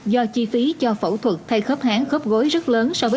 đài truyền thông